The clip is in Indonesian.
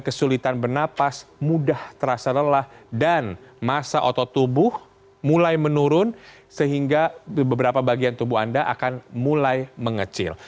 kesulitan bernapas mudah terasa lelah dan masa otot tubuh mulai menurun sehingga beberapa bagian tubuh anda akan mulai mengecil